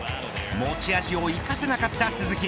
持ち味を生かせなかった鈴木